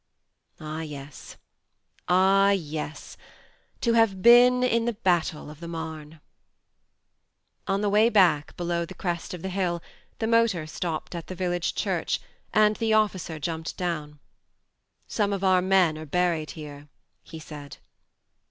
... Ah, yes ah, yes to have been in the battle of the Marne ! On the way back, below the crest of the hill, the motor stopped at the village church and the officer jumped down. " Some of our men are buried here," he said.